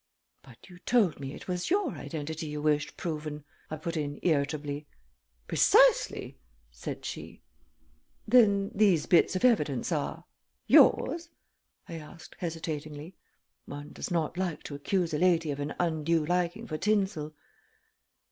"But you told me it was your identity you wished proven," I put in, irritably. "Precisely," said she. "Then these bits of evidence are yours?" I asked, hesitatingly. One does not like to accuse a lady of an undue liking for tinsel.